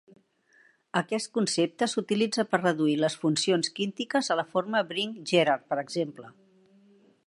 Aquest concepte s'utilitza per reduir les funcions quíntiques a la forma Bring-Jerrard, per exemple.